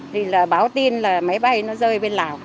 thì là báo tin là máy bay nó rơi bên lào